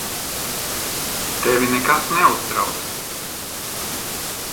Tevi nekas neuztrauc.